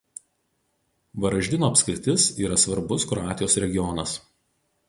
Varaždino apskritis yra svarbus Kroatijos regionas.